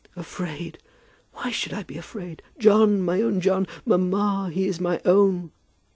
"Afraid! Why should I be afraid? John! My own John! Mamma, he is my own."